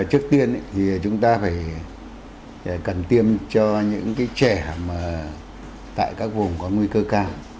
trước tiên chúng ta cần tiêm cho những trẻ tại các vùng có nguy cơ cao